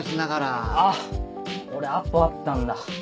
あっ俺アポあったんだ。